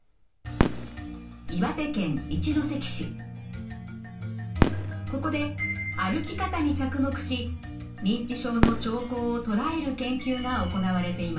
続いてはここで歩き方に着目し認知症の兆候を捉える研究が行われています。